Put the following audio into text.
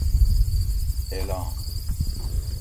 اعلان